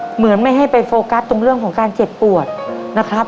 เหมือนไม่ให้ไปโฟกัสตรงเรื่องของการเจ็บปวดนะครับ